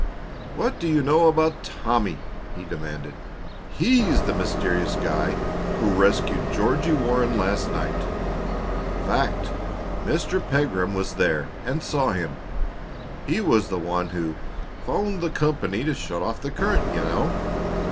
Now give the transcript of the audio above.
"What do you know about Tommy?" he demanded. "He's the mysterious guy who rescued Georgie Warren last night. Fact! Mr. Pegram was there and saw him. He was the one who 'phoned the company to shut off the current, you know.